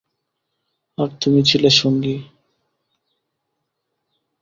আর তুমি ছিলে সঙ্গী।